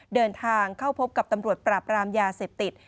เดินทางเข้าพบกับตำรวจปราบรามยาเสพติด